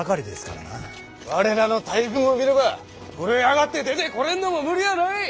我らの大軍を見れば震え上がって出てこれんのも無理はない。